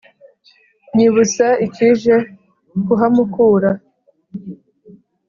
Nyibutsa icyije kuhamukura